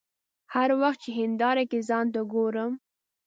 هر وخت چې هنداره کې ځان ته ګورم.